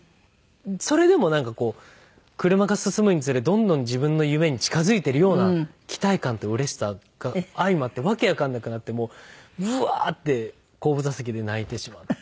それでもなんかこう車が進むにつれどんどん自分の夢に近付いてるような期待感とうれしさが相まってわけわかんなくなってウワーッて後部座席で泣いてしまって。